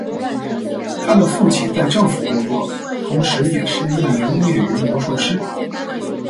他的父亲在政府工作，同时也是一名业余魔术师。